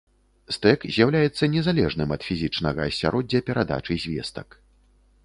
Стэк з'яўляецца незалежным ад фізічнага асяроддзя перадачы звестак.